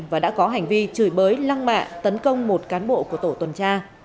và đã có hành vi chửi bới lăng mạ tấn công một cán bộ của tổ tuần tra